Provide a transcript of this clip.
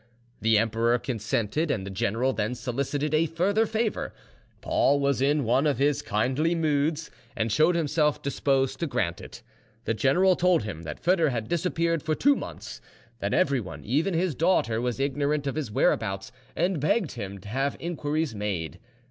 The emperor consented, and the general then solicited a further favour. Paul was in one of his kindly moods, and showed himself disposed to grant it. The general told him that Foedor had disappeared for two months; that everyone, even his daughter, was ignorant of his whereabouts, and begged him to have inquiries made.